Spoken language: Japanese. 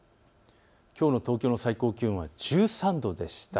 きょうの東京の最高気温１３度でした。